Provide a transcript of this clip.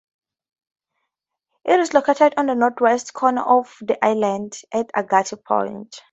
It is located on the northwest corner of the island, on Agate Point.